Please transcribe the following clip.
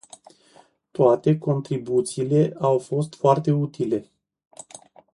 Toate contribuțiile au fost foarte utile.